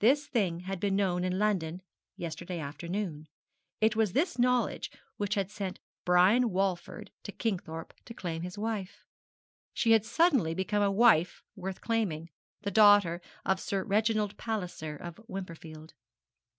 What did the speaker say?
This thing had been known in London yesterday afternoon. It was this knowledge which had sent Brian Walford to Kingthorpe to claim his wife. She had suddenly become a wife worth claiming the daughter of Sir Reginald Palliser of Wimperfield.